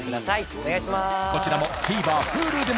お願いします。